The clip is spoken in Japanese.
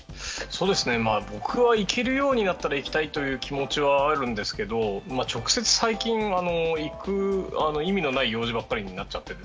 僕は、行けるようになったら行きたいという気持ちはあるんですけど直接、最近行く意味のない用事ばかりになっちゃって。